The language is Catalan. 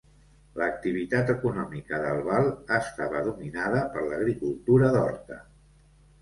L'activitat econòmica d'Albal estava dominada per l'agricultura d'horta.